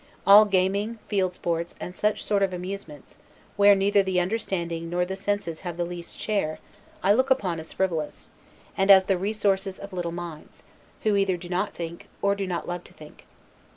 All gaming, field sports, and such sort of amusements, where neither the understanding nor the senses have the least share, I look upon as frivolous, and as the resources of little minds, who either do not think, or do not love to think.